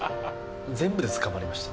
全部で捕まりました。